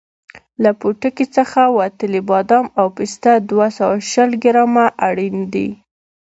له پوټکي څخه وتلي بادام او پسته دوه سوه شل ګرامه اړین دي.